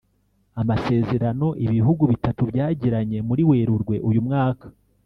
Amasezerano ibi bihugu bitatu byagiranye muri Werurwe uyu mwaka